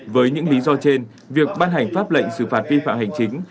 với những lý do trên việc ban hành pháp lệnh xử phạt vi phạm hành chính